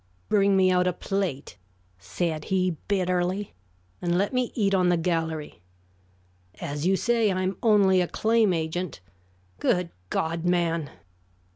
"Bring me out a plate," said he, bitterly, "and let me eat on the gallery. As you say, I am only a claim agent. Good God, man!"